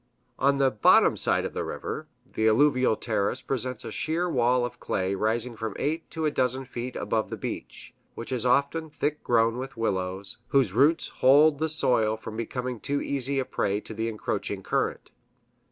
On the "bottom side" of the river, the alluvial terrace presents a sheer wall of clay rising from eight to a dozen feet above the beach, which is often thick grown with willows, whose roots hold the soil from becoming too easy a prey to the encroaching current.